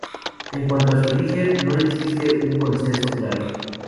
En cuanto a su origen, no existe un consenso claro.